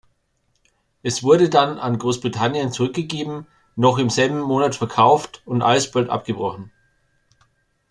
Es wurde dann an Großbritannien zurückgegeben, noch im selben Monat verkauft und alsbald abgebrochen.